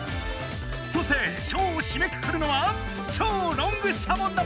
そしてショーをしめくくるのは超ロングシャボン玉！